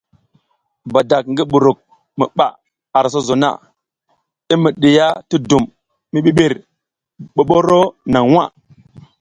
Badak ngi buruk mi ɓaʼa ar sozo na i mi ɗiya ti dum mi ɓiɓir ɓoɓoro naŋ nwa.